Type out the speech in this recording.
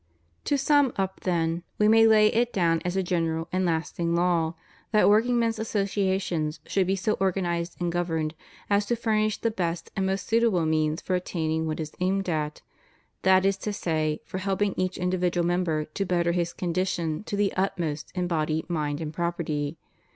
To sum up, then, We may lay it down as a general and lasting law, that workingmen's associations should be so organized and governed as to furnish the best and most suitable means for attaining what is aimed at; that is to say, for helping each individual member to better his condition to the utmost in body, mind, and property.